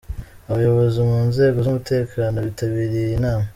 Abayobozi mu nzego z'umutekano bitabiriye iyi nama.